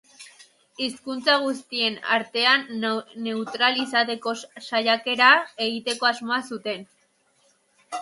Hizkuntza guztien artean neutral izateko saiakera egiteko asmoa zuten.